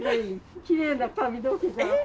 きれいな髪の毛じゃん。